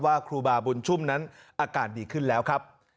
ครูบาบุญชุ่มนั้นอาการดีขึ้นแล้วครับ